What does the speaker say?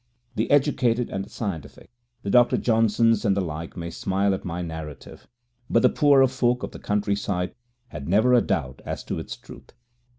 The educated and the scientific, the Dr. Johnsons and the like, may smile at my narrative, but the poorer folk of the countryside had never a doubt as to its truth.